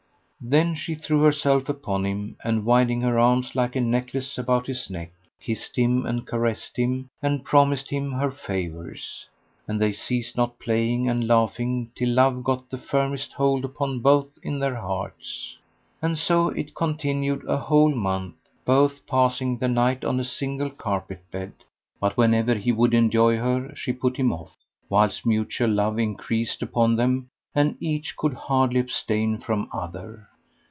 Then she threw herself upon him and winding her arms like a necklace about his neck, kissed him and caressed him and promised him her favours; and they ceased not playing and laughing till love get the firmest hold upon both their hearts. And so it continued a whole month, both passing the night on a single carpet bed, but whenever he would enjoy her, she put him off; whilst mutual love increased upon them; and each could hardly abstain from other.